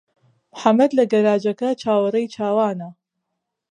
محەممەد لە گەراجەکە چاوەڕێی چاوانە.